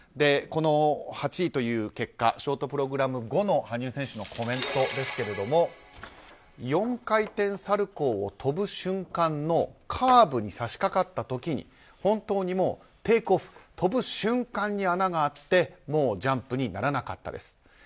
この８位という結果ショートプログラム後の羽生選手のコメントですが４回転サルコウを跳ぶ瞬間のカーブに差し掛かった時に本当にもうテイクオフ跳ぶ瞬間に穴があってもうジャンプにならなかったです。